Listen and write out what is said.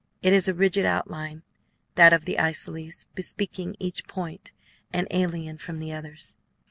It is a rigid outline, that of the isosceles, bespeaking each point an alien from the others.